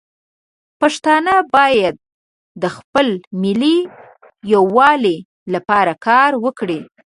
پښتانه باید د خپل ملي یووالي لپاره کار وکړي.